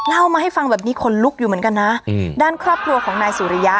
มาให้ฟังแบบนี้ขนลุกอยู่เหมือนกันนะอืมด้านครอบครัวของนายสุริยะ